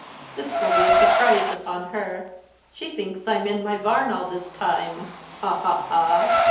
This will be a surprise upon her. She thinks I'm in my barn all this time ha, ha, ha!"